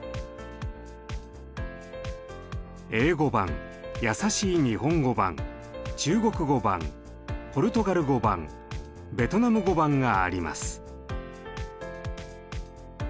英語版やさしい日本語版中国語版ポルトガル語版ベトナム語版があります。